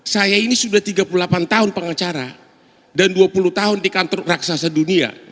saya ini sudah tiga puluh delapan tahun pengacara dan dua puluh tahun di kantor raksasa dunia